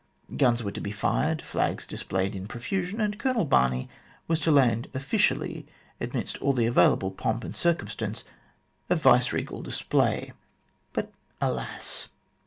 Guns were to be fired, flags displayed in profusion, and Colonel Barney was to land officially, amidst all the available pomp and circumstance of Yice Eegal display. But, alas